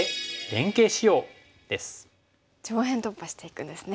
上辺突破していくんですね。